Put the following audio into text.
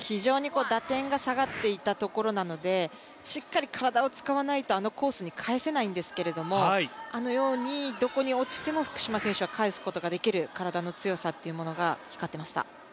打点が下がっていたところなのでしっかり体を使わないとあのコースに返せないんですがあのようにどこに落ちても福島選手は返すことができる体の強さっていうものが光っていました。